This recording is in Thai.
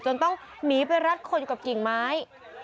ต้องหนีไปรัดคนอยู่กับกิ่งไม้